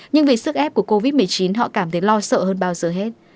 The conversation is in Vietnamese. nhưng vì sức ép của covid một mươi chín họ cảm thấy lo sợ hơn bao giờ hết